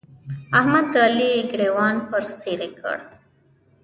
احمد د علي ګرېوان پر څيرې کړ.